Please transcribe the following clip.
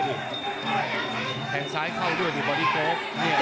ต้องออกครับอาวุธต้องขยันด้วย